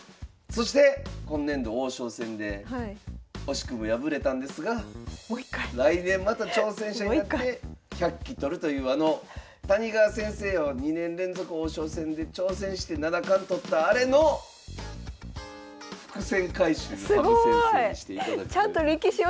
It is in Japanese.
そして今年度王将戦で惜しくも敗れたんですが来年また挑戦者になって１００期取るというあの谷川先生を２年連続王将戦で挑戦して七冠取ったあれの伏線回収を羽生先生にしていただくという。